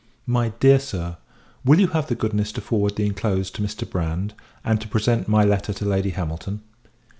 MY DEAR SIR, Will you have the goodness to forward the inclosed to Mr. Brand, and to present my letter to Lady Hamilton?